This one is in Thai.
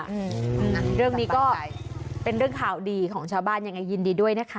อืมเรื่องนี้ก็เป็นเรื่องข่าวดีของชาวบ้านยังไงยินดีด้วยนะคะ